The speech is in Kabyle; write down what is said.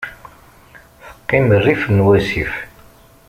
Teqqim rrif n wasif.